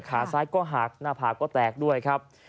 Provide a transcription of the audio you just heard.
ขาซ้ายก็หักหน้าผากก็แตกด้วยครับ